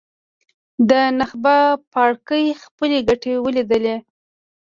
د نخبه پاړکي خپلې ګټې ولیدلې.